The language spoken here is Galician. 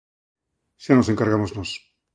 Xa nos encargamos nós.